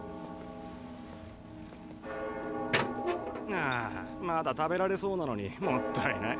ああまだ食べられそうなのにもったいない。